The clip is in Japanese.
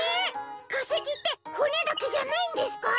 かせきってほねだけじゃないんですか？